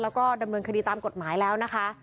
แล้วก็ดำเนินคดีตามกฎหมายแล้วนะคะ